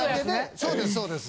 そうですそうです。